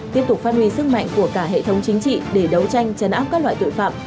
tiếp tục phát huy sức mạnh của cả hệ thống chính trị để đấu tranh chấn áp các loại tội phạm